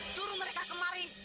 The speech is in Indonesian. suruh mereka kemari